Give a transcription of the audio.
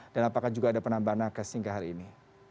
dan apakah juga ada penambahan angka kasus hingga hari ini